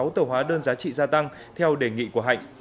sáu tờ hóa đơn giá trị gia tăng theo đề nghị của hạnh